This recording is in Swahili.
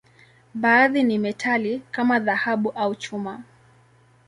Baadhi ni metali, kama dhahabu au chuma.